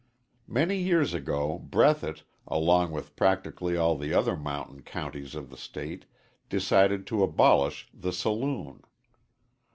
Many years ago Breathitt, along with practically all the other mountain counties of the State, decided to abolish the saloon.